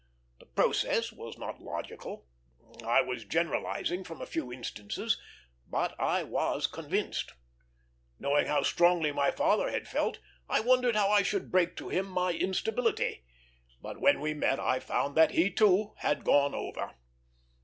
The process was not logical; I was generalizing from a few instances, but I was convinced. Knowing how strongly my father had felt, I wondered how I should break to him my instability; but when we met I found that he, too, had gone over.